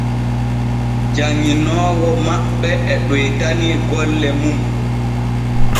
Janŋinoowo maɓɓe e ɗoytani golle mun.